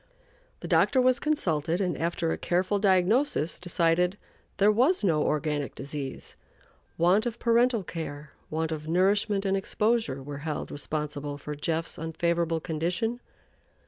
The doctor was consulted, and after a careful diagnosis, decided there was no organic disease: want of parental care, want of nourishment and exposure, were held responsible for "Jeff's" unfavorable condition.